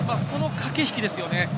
その駆け引きですよね。